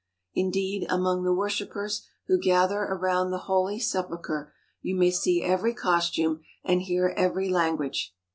Indeed, among the worshippers who gather around the Holy Sepulchre you may see every costume and hear every language.